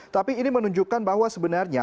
tapi ini menunjukkan bahwa sebenarnya